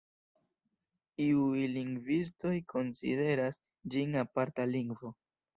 Iuj lingvistoj konsideras ĝin aparta lingvo.